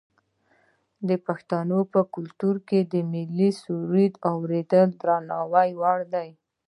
د پښتنو په کلتور کې د ملي سرود اوریدل د درناوي وړ دي.